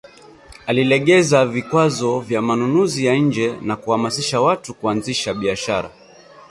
Alilegeza vikwazo vya manunuzi ya nje na kuhamasisha watu kuanzisha biashara